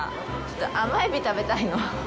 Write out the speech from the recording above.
甘エビ食べたいの。